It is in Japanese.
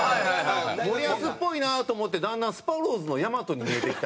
もりやすっぽいなと思ってだんだんスパローズの大和に見えてきたり。